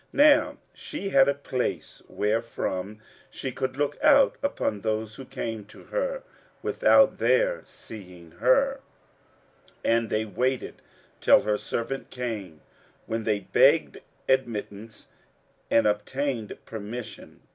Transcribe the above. Now she had a place wherefrom she could look out upon those who came to her, without their seeing her; and they waited till her servant came, when they begged admittance and obtained permission.